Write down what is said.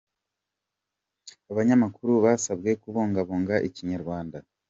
Abanyamakuru basabwe kubungabunga ikinyarwanda.